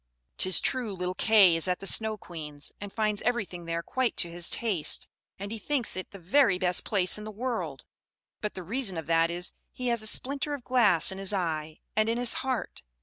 "'Tis true little Kay is at the Snow Queen's, and finds everything there quite to his taste; and he thinks it the very best place in the world; but the reason of that is, he has a splinter of glass in his eye, and in his heart.